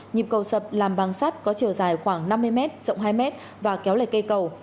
nhịp cầu sập làm băng sắt có chiều dài khoảng năm mươi m rộng hai m và kéo lệ cây cầu